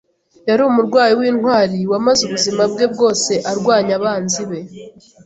Yari umurwanyi w'intwari wamaze ubuzima bwe bwose arwanya abanzi be.